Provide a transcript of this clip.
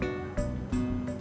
gak ada apa